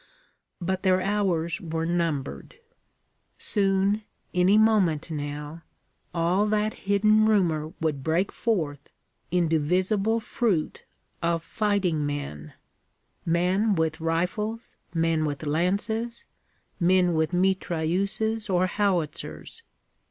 But their hours were numbered: soon any moment, now all that hidden rumor would break forth into visible fruit of fighting men men with rifles, men with lances, men with mitrailleuses or howitzers.